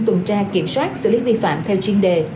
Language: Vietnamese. tuần tra kiểm soát xử lý vi phạm theo chuyên đề